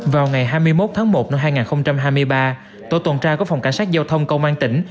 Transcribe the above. vào ngày hai mươi một tháng một năm hai nghìn hai mươi ba tổ tuần tra của phòng cảnh sát giao thông công an tỉnh